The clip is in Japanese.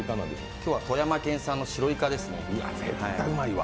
今日は富山県産の白イカですね。